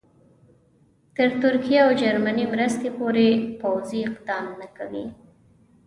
تر ترکیې او جرمني مرستې پورې پوځي اقدام نه کوي.